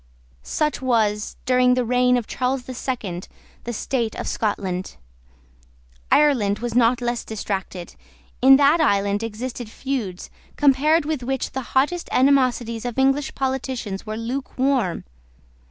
Such was, during the reign of Charles the Second, the state of Scotland. Ireland was not less distracted. In that island existed feuds, compared with which the hottest animosities of English politicians were lukewarm.